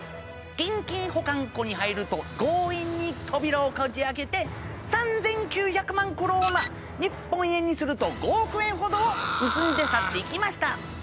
現金保管庫に入ると強引に扉をこじ開けて３，９００万クローナ日本円にすると５億円ほどを盗んで去っていきました。